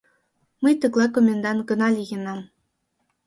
Мый тыглай комендант гына лийынам.